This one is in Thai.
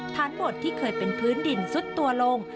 ทานโบสถ์ที่เคยเป็นพื้นดินสุดตัวลง